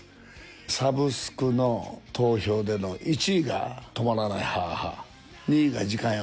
サブスクの投票での１位が、止まらないＨａＨａ、２位が時間よ